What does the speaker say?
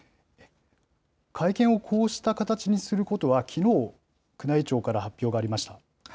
会見をこうした形にすることは、きのう、宮内庁から発表がありました。